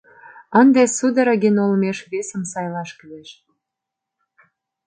Ынде Судорогин олмеш весым сайлаш кӱлеш.